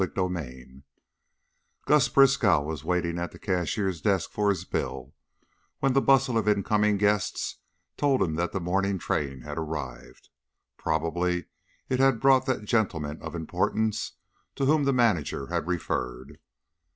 CHAPTER XV Gus Briskow was waiting at the cashier's desk for his bill when the bustle of incoming guests told him that the morning train had arrived. Probably it had brought that "gentleman of importance" to whom the manager had referred.